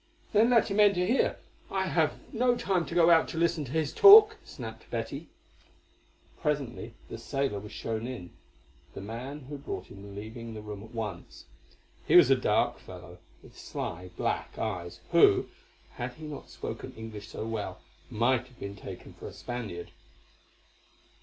"Then let him enter here; I have no time to go out to listen to his talk," snapped Betty. Presently the sailor was shown in, the man who brought him leaving the room at once. He was a dark fellow, with sly black eyes, who, had he not spoken English so well, might have been taken for a Spaniard.